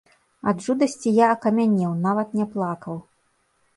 Ад жудасці я акамянеў, нават не плакаў.